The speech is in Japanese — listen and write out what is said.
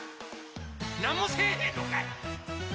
なんもせへんのかいっ！